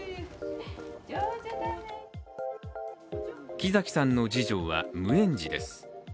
木崎さんの次女は無園児です。